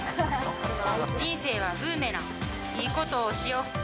人生はブーメラン、いいことをしよう。